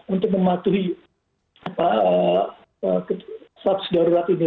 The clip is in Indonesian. untuk mematuhi status darurat ini